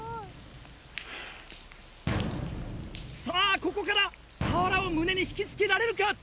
さぁここから俵を胸に引き付けられるか？